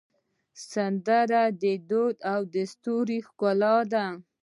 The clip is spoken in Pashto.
سندره د دود او دستور ښکلا ده